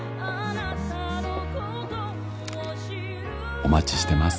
「お待ちしてます！」